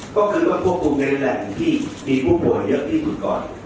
ก็คือมาควบคุมในแหล่งที่มีผู้ป่วยเยอะที่สุดก่อน